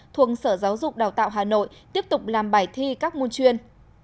thuộc sở giáo dục đào tạo hà nội tiếp tục làm bài thi các môn chuyên